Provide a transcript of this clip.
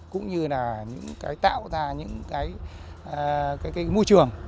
cũng như là tạo ra những môi trường